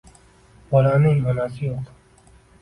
Bolaning onasi yo`q